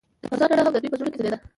د خزان رڼا هم د دوی په زړونو کې ځلېده.